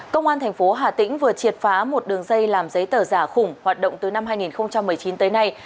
công an thành phố hà tĩnh vừa triệt phá một đường dây làm giấy tờ giả khủng hoạt động từ năm hai nghìn một mươi chín tới nay